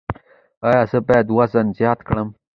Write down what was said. ایا زه باید وزن زیات کړم؟